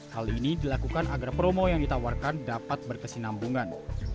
hal ini dilakukan agar promo yang ditawarkan dapat berkesinambungan